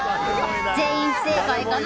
全員、不正解だな。